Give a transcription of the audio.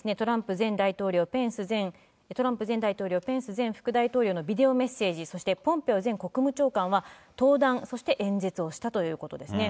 そこにはトランプ前大統領、ペンス前副大統領のビデオメッセージ、そしてポンペオ元国務長官は登壇、そして演説をしたということですね。